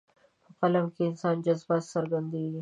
په قلم د انسان جذبات څرګندېږي.